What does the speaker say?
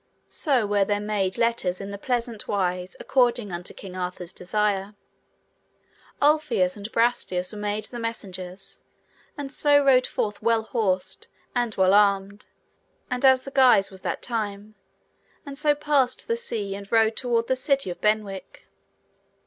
So were there made letters in the pleasant wise according unto King Arthur's desire. Ulfius and Brastias were made the messengers, and so rode forth well horsed and well armed and as the guise was that time, and so passed the sea and rode toward the city of Benwick.